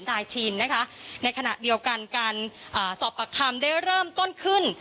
ในขณะเดียวกันการสอบปรับคำได้เริ่มต้นขึ้น